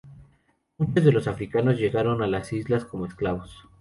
Muchos de los africanos llegaron a las islas como esclavos.